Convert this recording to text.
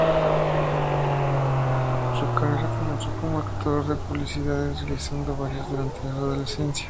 Su carrera comenzó como actor de publicidades, realizando varias durante su adolescencia.